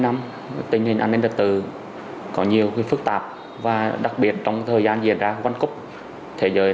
năm tình hình an ninh tật tự có nhiều phức tạp và đặc biệt trong thời gian diễn ra văn cúp thế giới